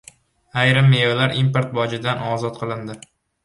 Ayrim mevalar import bojidan ozod qilindi